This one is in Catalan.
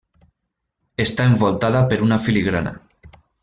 Està envoltada per una filigrana.